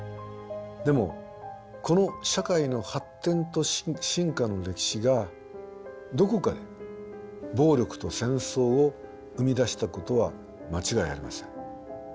でもこの社会の発展と進化の歴史がどこかで暴力と戦争を生み出したことは間違いありません。